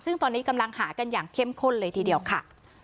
ซึ่งตอนนี้กำลังหากันอย่างเข้มข้นเลยทีเดียวค่ะ